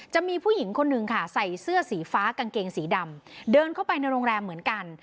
จะมีผู้หญิงคนหนึ่งค่ะใส่เสื้อสีฟ้ากางเกงสีดำเดินเข้าไปในโรงแรมเหมือนกัน